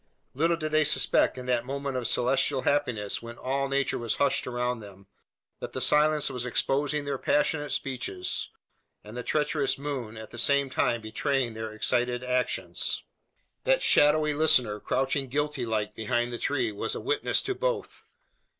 Little did they suspect, in that moment of celestial happiness when all nature was hushed around them, that the silence was exposing their passionate speeches, and the treacherous moon, at the same time, betraying their excited actions. That shadowy listener, crouching guilty like behind the tree, was a witness to both.